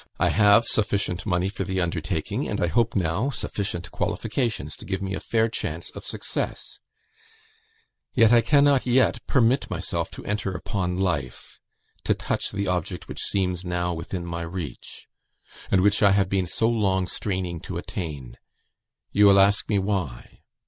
I have sufficient money for the undertaking, and I hope now sufficient qualifications to give me a fair chance of success; yet I cannot yet permit myself to enter upon life to touch the object which seems now within my reach, and which I have been so long straining to attain. You will ask me why?